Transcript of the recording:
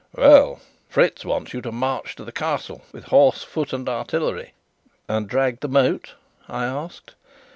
"Well, Fritz wants you to march to the Castle with horse, foot, and artillery." "And drag the moat?" I asked.